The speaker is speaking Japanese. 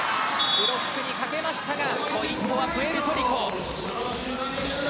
ブロックかけましたがポイントはプエルトリコ。